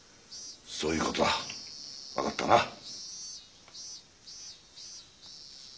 そういうことだ分かったな。